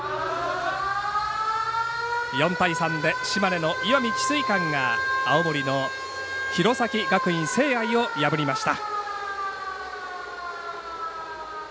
４対３で、島根の石見智翠館が青森の弘前学院聖愛を破りました。